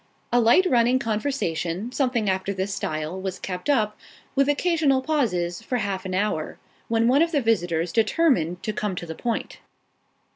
A light running conversation, something after this style, was kept up, with occasional pauses, for half an hour, when one of the visitors determined to come to the point.